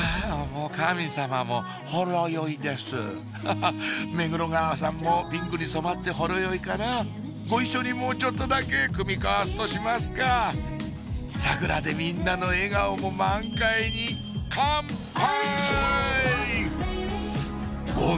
もうカミ様もほろ酔いですハハっ目黒川さんもピンクに染まってほろ酔いかなご一緒にもうちょっとだけ酌み交わすとしますか桜でみんなの笑顔も満開に乾杯！